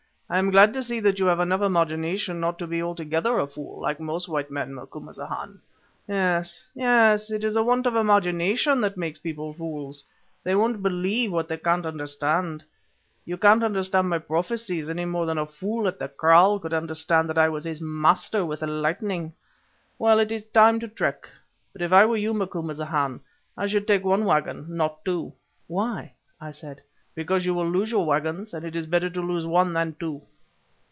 "I am glad to see that you have enough imagination not to be altogether a fool, like most white men, Macumazahn. Yes, yes, it is want of imagination that makes people fools; they won't believe what they can't understand. You can't understand my prophecies any more than the fool at the kraal could understand that I was his master with the lightning. Well, it is time to trek, but if I were you, Macumazahn, I should take one waggon, not two." "Why?" I said. "Because you will lose your waggons, and it is better to lose one than two."